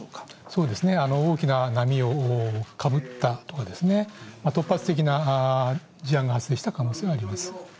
そうですね、大きな波をかぶったとかですね、突発的な事案が発生した可能性はあります。